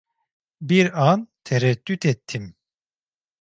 Bir an tereddüt ettim.